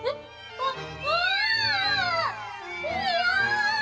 あっ！